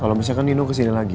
kalau misalkan nino kesini lagi